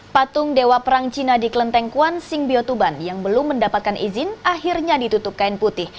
patung dewa perang cina di kelenteng kwan sing biotuban yang belum mendapatkan izin akhirnya ditutup kain putih